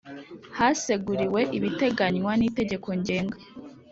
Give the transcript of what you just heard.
Haseguriwe ibiteganywa n Itegeko Ngenga